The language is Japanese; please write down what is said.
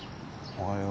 おはよう。